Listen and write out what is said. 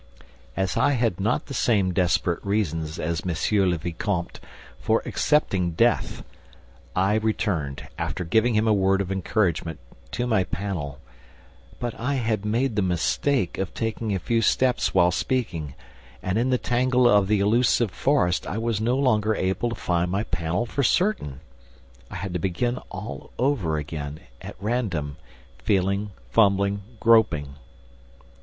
As I had not the same desperate reasons as M. le Vicomte for accepting death, I returned, after giving him a word of encouragement, to my panel, but I had made the mistake of taking a few steps while speaking and, in the tangle of the illusive forest, I was no longer able to find my panel for certain! I had to begin all over again, at random, feeling, fumbling, groping.